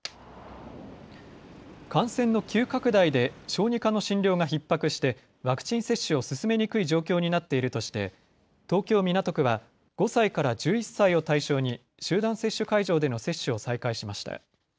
感染の急拡大で小児科の診療がひっ迫してワクチン接種を進めにくい状況になっているとして東京港区は５歳から１１歳を対象に集団接種会場での接種を再開しました。